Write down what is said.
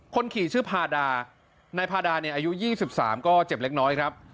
คนขี่ชื่อพาดานายพาดาเนี่ยอายุ๒๓ก็เจ็บเล็กน้อยครับ